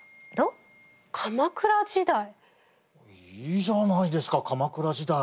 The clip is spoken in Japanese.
いいじゃないですか鎌倉時代。